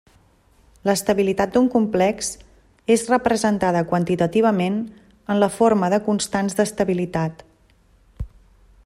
L'estabilitat d'un complex és representada quantitativament en la forma de constants d'estabilitat.